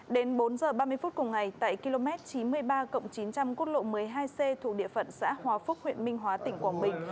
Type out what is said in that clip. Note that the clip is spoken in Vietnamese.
đến bốn h ba mươi phút cùng ngày tại km chín mươi ba chín trăm linh quốc lộ một mươi hai c thuộc địa phận xã hòa phúc huyện minh hóa tỉnh quảng bình